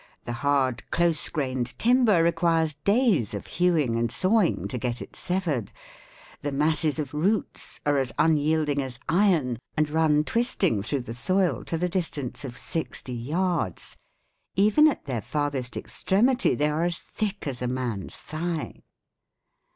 The hard, close grained timber requires days of hewing and sawing to get it severed. The masses of roots are as unyielding as iron, and run twisting through the soil to the distance of sixty yards. Even at their farthest extremity they are as thick as a man's thigh."